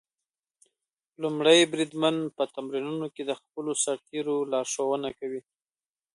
لومړی بریدمن په تمرینونو کې د خپلو سرتېرو لارښوونه کوي.